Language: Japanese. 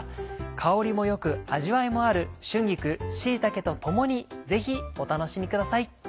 香りもよく味わいもある春菊椎茸と共にぜひお楽しみください。